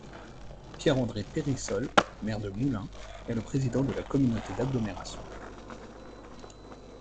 Pierre-André Périssol, maire de Moulins, est le président de la communauté d'agglomération.